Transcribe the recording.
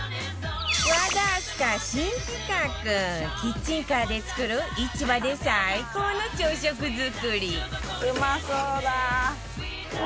和田明日香新企画キッチンカーで作る市場で最高の朝食作り